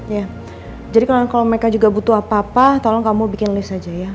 ya jadi kalau mereka juga butuh apa apa tolong kamu bikin list aja ya